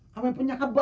sama punya kebar